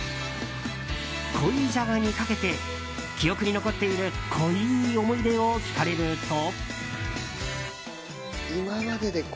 濃いじゃがにかけて記憶に残っている濃い思い出を聞かれると。